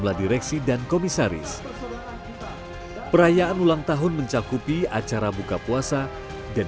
dan industri pertambangan yang diperlukan